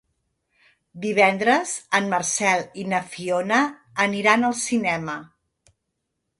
Divendres en Marcel i na Fiona aniran al cinema.